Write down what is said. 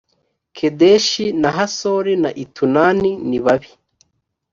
kedeshi na hasori na itunani nibabi